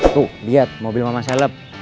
tuh liat mobil mama selep